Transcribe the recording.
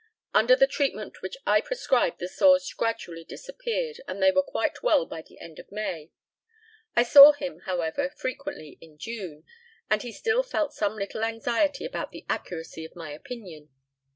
Under the treatment which I prescribed the sores gradually disappeared, and they were quite well by the end of May. I saw him, however, frequently in June, as he still felt some little anxiety about the accuracy of my opinion.